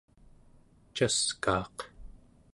caskaaq